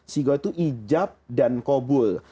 sigoh itu ijab dan kobul